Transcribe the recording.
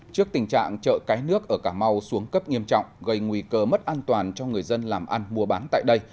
trước tình trạng chợ cái nước ở cà mau xuống cấp nghiêm trọng gây nguy cơ mất an toàn cho người dân làm ăn mua bán tại đây